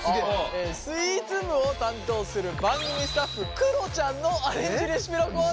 スイーツ部を担当する番組スタッフくろちゃんのアレンジレシピのコーナーです。